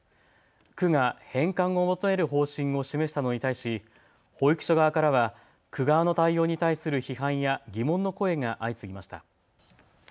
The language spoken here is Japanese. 区が返還を求める方針を示したのに対し、保育所側からは区側の対応に対する批判や疑問の声が相次ぎました。